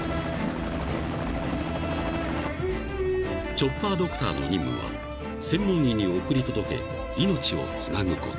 ［チョッパードクターの任務は専門医に送り届け命をつなぐこと］